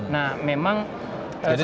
nah memang salah satu